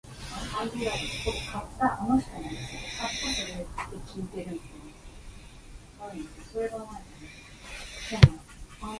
Deforestation is another major concern on the islands.